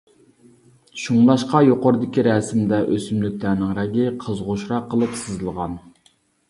شۇڭلاشقا يۇقىرىدىكى رەسىمدە ئۆسۈملۈكلەرنىڭ رەڭگى قىزغۇچراق قىلىپ سىزىلغان.